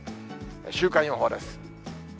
週間予報です。